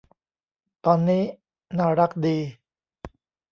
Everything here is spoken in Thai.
ตอนนี้ น่ารักดี